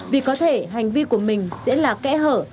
vì có thể hành vi của mình sẽ là kẽ hở